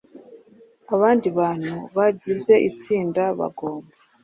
abandi bantu bagize itsinda bagomba